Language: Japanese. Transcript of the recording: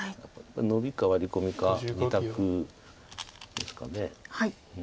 ノビかワリコミか２択ですか。